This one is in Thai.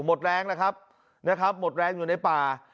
หมดแรงนะครับหมดแรงอยู่ในป่า